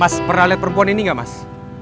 mas pernah lihat perempuan ini ga mas